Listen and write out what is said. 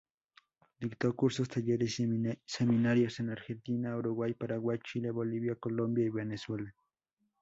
Dictó cursos, talleres y seminarios en Argentina, Uruguay, Paraguay, Chile, Bolivia, Colombia y Venezuela.